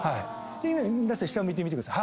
下を向いてみてください。